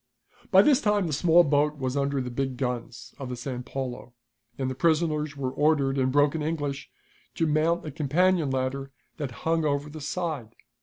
By this time the small boat was under the big guns of the San Paulo, and the prisoners were ordered, in broken English, to mount a companion ladder that hung over the side.